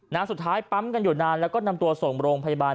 สุดท้ายปั๊มกันอยู่นานแล้วก็นำตัวส่งโรงพยาบาล